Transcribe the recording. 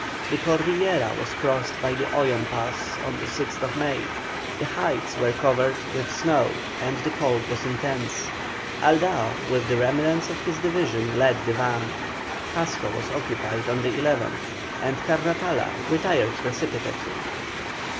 The Cordillera was crossed by the Oyon Pass on the 6th May. The heights were covered with snow and the cold was intense. Aldao with the remnants of his division led the van. Pasco was occupied on the 11th, and Carratala retired precipitately.